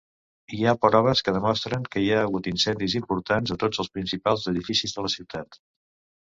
Hi ha proves que demostren que hi ha hagut incendis importants a tots els principals edificis de la ciutat.